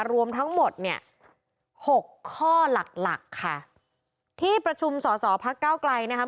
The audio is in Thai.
รวมทั้งหมดเนี่ยหกข้อหลักหลักค่ะที่ประชุมสอสอพักเก้าไกลนะคะ